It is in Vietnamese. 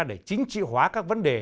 để chính trị hóa các vấn đề